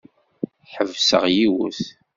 Ḥebseɣ yiwet.